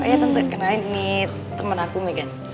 oh iya tante kenalin nih temen aku megan